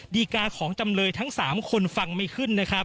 ดีกาของจำเลยทั้ง๓คนฟังไม่ขึ้นนะครับ